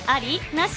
なし？